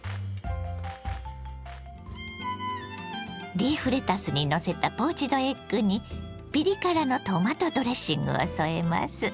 リーフレタスにのせたポーチドエッグにピリ辛のトマトドレッングを添えます。